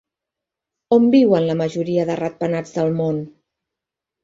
On viuen la majoria de ratpenats del món?